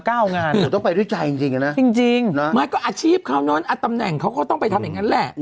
ต้องไปด้วยใจจริงนะจริงไม่ก็อาชีพเขานั่นอันตรรัพย์แห่งเขาก็ต้องไปกันแหละ